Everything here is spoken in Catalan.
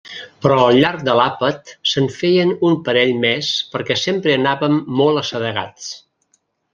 Però al llarg de l'àpat se'n feien un parell més perquè sempre anàvem molt assedegats.